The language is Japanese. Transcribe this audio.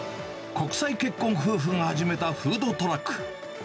国際結婚夫婦が始めたフードトラック。